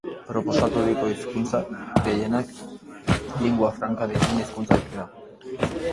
Proposaturiko hizkuntza gehienak lingua franca diren hizkuntzak dira.